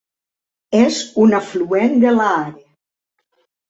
És un afluent de l"Aare.